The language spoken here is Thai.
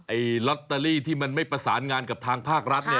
ลอตเตอรี่ที่มันไม่ประสานงานกับทางภาครัฐเนี่ย